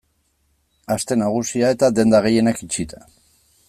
Aste Nagusia eta denda gehienak itxita.